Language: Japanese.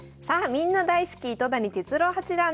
みんな大好き糸谷哲郎八段です。